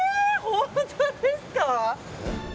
本当ですか？